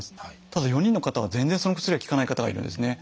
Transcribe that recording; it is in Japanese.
ただ４人の方は全然その薬が効かない方がいるんですね。